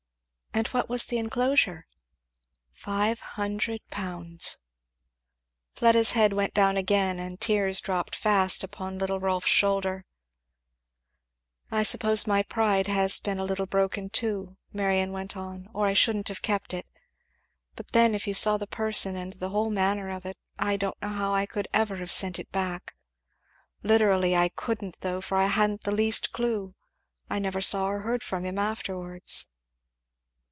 "And what was the enclosure?" "Five hundred pounds." Fleda's head went down again and tears dropped fast upon little Rolf's shoulder. "I suppose my pride has been a little broken too," Marion went on, "or I shouldn't have kept it. But then if you saw the person, and the whole manner of it I don't know how I could ever have sent it back. Literally I couldn't, though, for I hadn't the least clue. I never saw or heard from him afterwards."